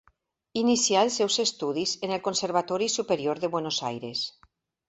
Inicià els seus estudis en el Conservatori Superior de Buenos Aires.